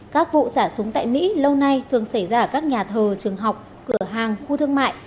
các vụ xả súng tại mỹ lâu nay thường xảy ra ở các nhà thờ trường học cửa hàng khu thương mại